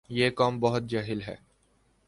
یہ قوم بہت جاہل ھے